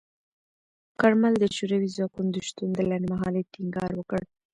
کارمل د شوروي ځواکونو د شتون د لنډمهالۍ ټینګار وکړ.